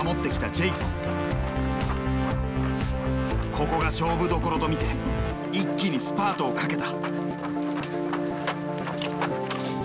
ここが勝負どころと見て一気にスパートをかけた。